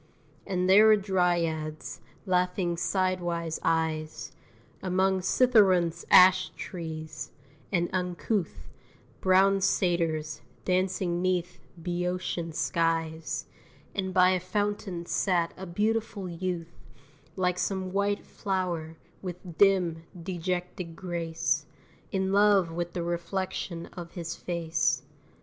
And there were Dryads, laughing sidewise eyes, Among Cithæron's ash trees; and uncouth Brown Satyrs, dancing 'neath Bœotian skies; And by a fountain sat a beautiful youth, Like some white flow'r, with dim, dejected grace, In love with the reflection of his face.